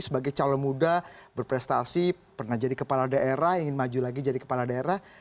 sebagai calon muda berprestasi pernah jadi kepala daerah ingin maju lagi jadi kepala daerah